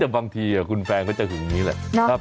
บางทีคุณแฟนเขาจะหึงอย่างนี้แหละ